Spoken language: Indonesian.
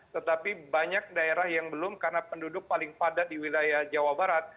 tetapi banyak daerah yang belum karena penduduk paling padat di wilayah jawa barat